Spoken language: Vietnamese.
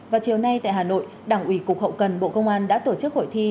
vào chiều nay tại hà nội đảng ủy cục hậu cần bộ công an đã tổ chức hội thi